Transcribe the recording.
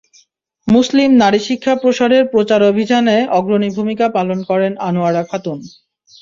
মুসলিম নারী শিক্ষা প্রসারের প্রচারাভিযানে অগ্রণী ভূমিকা পালন করেন আনোয়ারা খাতুন।